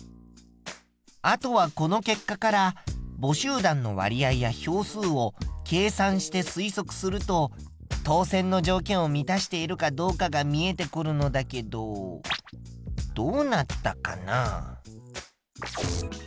あとはこの結果から母集団の割合や票数を計算して推測すると当選の条件を満たしているかどうかが見えてくるのだけどどうなったかな？